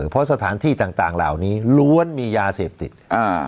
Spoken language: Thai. เพราะสถานที่ต่างเหล่านี้ล้วนมียาเสพติด